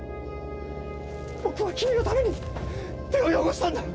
僕は君のために手を汚したんだ！